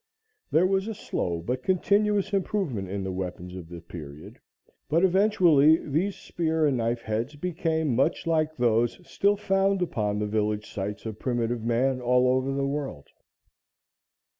There was a slow but continuous improvement in the weapons of the period, but eventually these spear and knive heads became much like those still found upon the village sites of primitive man all over the world.